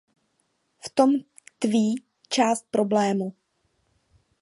V tom tkví část problému.